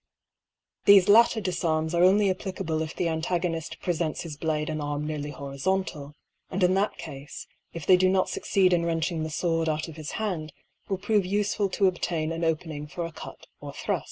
Thefe latter dif arms are only applicable if the antagonift prefents his blade and arm nearly horizontal; and in that cafe, if they do not fucceed in wrenching the IWord out of his hand, will prove ufeful to obtain an opening for a cut or thruft.